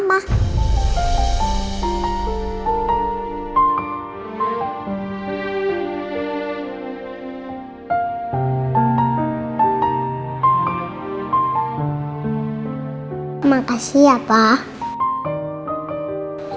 terima kasih ya pak